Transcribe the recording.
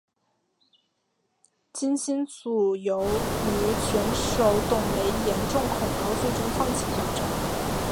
金星组由于选手董蕾严重恐高最终放弃挑战。